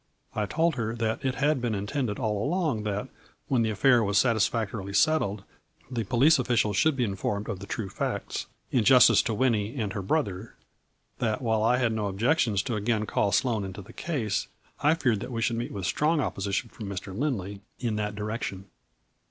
I told her that it had been intended all along that, when the affair was satisfactorily settled, the police officials should be informed of the true facts, in justice to Winnie and her brother ; that, while I had no objections to again call Sloane into the case, I feared that we should meet with strong opposition from Mr Lindley in that direction.